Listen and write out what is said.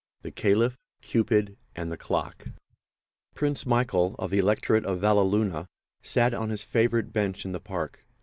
THE CALIPH, CUPID AND THE CLOCK Prince Michael, of the Electorate of Valleluna, sat on his favourite bench in the park.